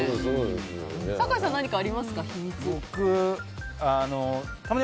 酒井さん、何か秘密ありますか？